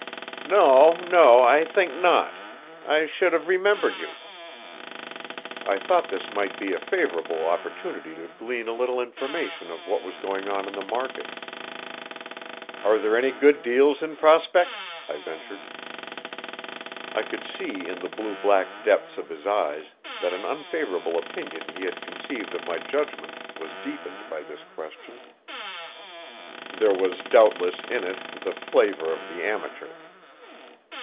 "No, no, I think not. I should have remembered you." I thought this might be a favorable opportunity to glean a little information of what was going on in the market. "Are there any good deals in prospect?" I ventured. I could see in the blue black depths of his eyes that an unfavorable opinion he had conceived of my judgment was deepened by this question. There was doubtless in it the flavor of the amateur.